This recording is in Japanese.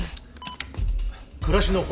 暮らしの。